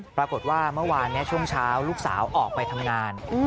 ปรากฏว่าเมื่อวานช่วงเช้าลูกสาวออกไปทำงาน